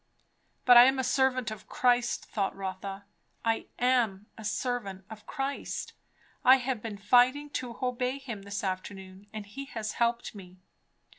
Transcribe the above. But I am a servant of Christ thought Rotha, I am a servant of Christ; I have been fighting to obey him this afternoon, and he has helped me.